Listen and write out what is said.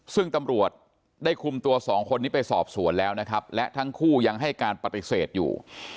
ซึ่งตำรวจได้คุมตัวสองคนนี้ไปสอบสวนแล้วนะครับและทั้งคู่ยังให้การปฏิเสธอยู่